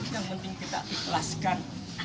yang penting kita ikhlaskan